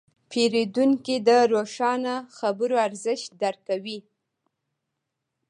پیرودونکی د روښانه خبرو ارزښت درک کوي.